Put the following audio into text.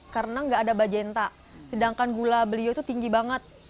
karena nggak ada bacenta sedangkan gula beliau itu tinggi banget